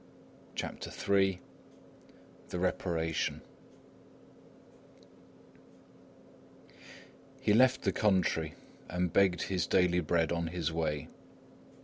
CHAPTER III THE REPARATION He left the country and begged his daily bread on his way.